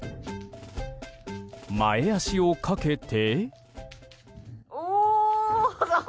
前脚をかけて。